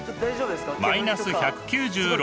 マイナス１９６